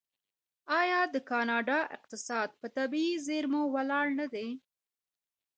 آیا د کاناډا اقتصاد په طبیعي زیرمو ولاړ نه دی؟